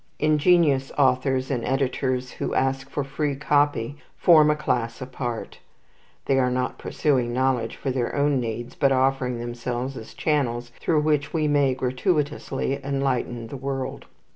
Ingenious authors and editors who ask for free copy form a class apart. They are not pursuing knowledge for their own needs, but offering themselves as channels through which we may gratuitously enlighten the world.